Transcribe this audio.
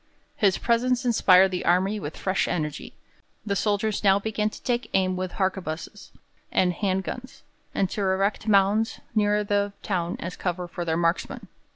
His presence inspired the army with fresh energy. The soldiers now began to take aim with harquebuses and 'hand guns', and to erect mounds nearer the town as cover for their marksmen.